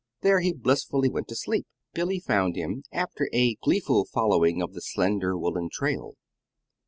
There he blissfully went to sleep. Billy found him after a gleeful following of the slender woollen trail.